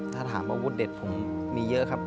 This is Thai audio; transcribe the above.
ถ้าถามอาวุธเด็ดผมมีเยอะครับ